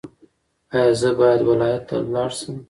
ایا زه باید ولایت ته لاړ شم؟